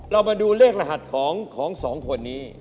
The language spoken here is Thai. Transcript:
เรามาดูเลขรหัสของสองคนนี้